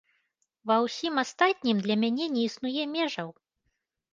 Ва ўсім астатнім для мяне не існуе межаў.